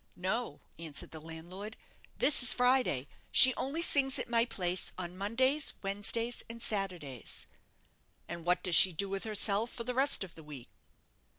"No," answered the landlord; "this is Friday. She only sings at my place on Mondays, Wednesdays, and Saturdays." "And what does she do with herself for the rest of the week?"